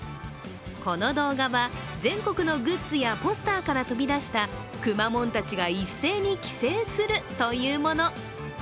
この動画は、全国のグッズやポスターから飛び出したくまモンたちが一斉に帰省するというもの。